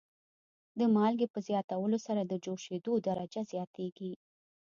د مالګې په زیاتولو سره د جوشیدو درجه زیاتیږي.